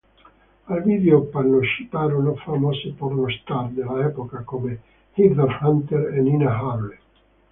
Al video parteciparono famose pornostar dell'epoca come Heather Hunter e Nina Hartley.